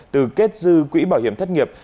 từ kết dư quỹ bảo hiểm thất nghiệp